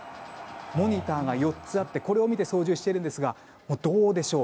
モニターが４つあってこれを見て操縦しているんですがどうでしょう。